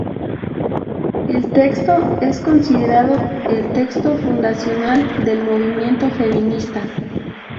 El texto es considerado el texto fundacional del movimiento feminista.